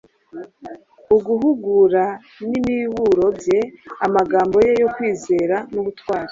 uguhugura n’imiburo bye, amagambo ye yo kwizera n’ubutwari